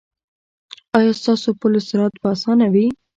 ایا ستاسو پل صراط به اسانه وي؟